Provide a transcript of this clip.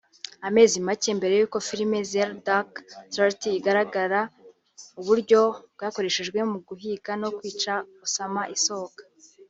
Amezi make mbere y’uko filimi “Zero Dark Thirty” igaragaza uburyo bwakoreshejwe mu guhiga no kwica Osama isohoka